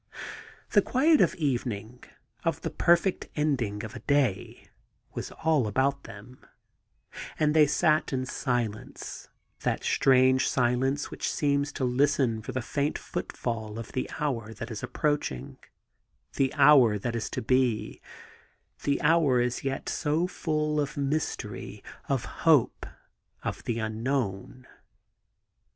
The quiet of evening, of the perfect ending of a day, was all about them; and they sat in silence, that strange silence which seems to listen for the faint footfall of the hour that is approaching, the hour that is to be, the hour as yet so full of mystery, of hope, of the unknown.